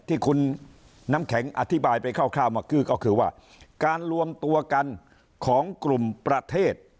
ที่คุณน้ำแข็งอธิบายไปคร่าวเมื่อกี้ก็คือว่าการรวมตัวกันของกลุ่มประเทศ